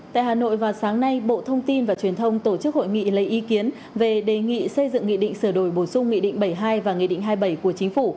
tại hà nội vào sáng nay bộ thông tin và truyền thông tổ chức hội nghị lấy ý kiến về đề nghị xây dựng nghị định sửa đổi bổ sung nghị định bảy mươi hai và nghị định hai mươi bảy của chính phủ